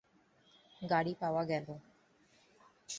গাড়ি পাওয়া গেল।